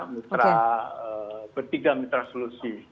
mitra bertiga mitra solusi